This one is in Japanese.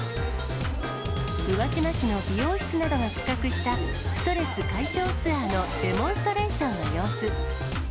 宇和島市の美容室などが企画した、ストレス解消ツアーのデモンストレーションの様子。